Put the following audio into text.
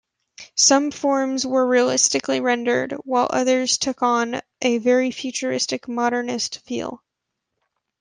Some forms were realistically rendered, while others took on a very futuristic, modernist feel.